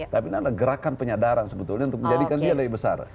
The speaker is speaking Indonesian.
tapi ini adalah gerakan penyadaran sebetulnya untuk menjadikan dia lebih besar